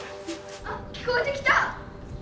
あ聞こえてきた！